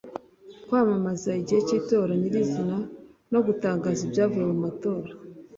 kwamamaza igihe cy’itora nyirizina no gutangaza ibyavuye mu matora